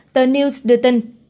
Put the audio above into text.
tờ news đưa tin